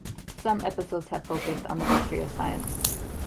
Some episodes have focused on the history of science.